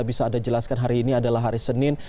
bisa anda jelaskan hari ini adalah hari senin